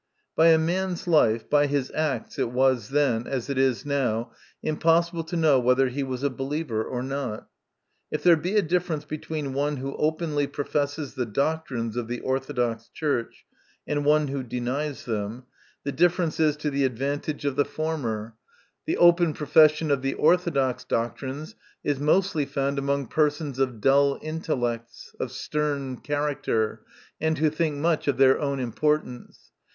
By a man's life, by his acts, it was then, as it is now, impossible to know whether he was a believer or not If there be a difference between one who openly professes the doctrines of the Orthodox Church, and one who denies them, the difference is to the advantage of the former. 4 MY CONFESSION. The open profession of the Orthodox doctrines is mostly found among persons of dull intellects, of stern character, and who think much of their own importance.